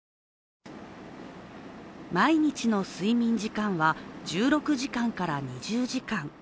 毎日の睡眠時間は１６時間から２０時間。